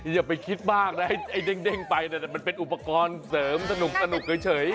อย่าไปคิดมากนะไอ้เด้งไปมันเป็นอุปกรณ์เสริมสนุกเฉย